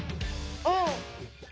うん。